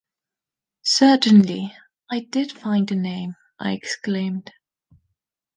Certainly, “I did find the name,” I exclaimed!